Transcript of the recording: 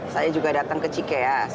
saya juga datang ke cikeas